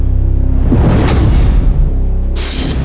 ตัวเลือกใดไม่ใช่ลักษณะของตัวเลือกใดไม่ใช่ลักษณะของตัวการ์ตูนแมวบนตอน